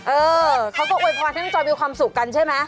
เออเขาก็อวยพรให้น้องจอยมีความสุขกันใช่ไหม